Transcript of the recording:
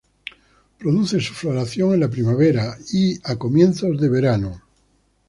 Produce su floración en la primavera y comienzos de verano.